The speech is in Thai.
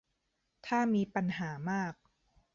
ถ้ามีปัญหามาก